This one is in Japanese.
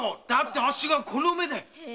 あっしがこの目で。